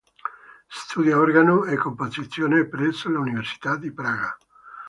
Studia organo e composizione presso l'Università di Praga.